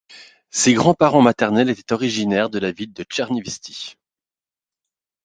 Ses grands-parents maternels étaient originaires de la ville de Tchernivtsi.